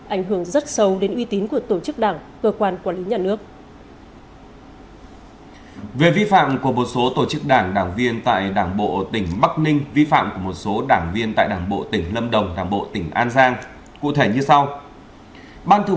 ảnh hưởng rất sâu đến uy tín của tổ chức đảng cơ quan quản lý nhà nước